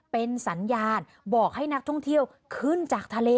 เป็นสัญญาณบอกให้นักท่องเที่ยวขึ้นจากทะเล